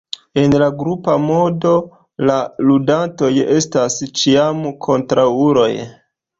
En la grupa modo, la ludantoj estas ĉiam kontraŭuloj.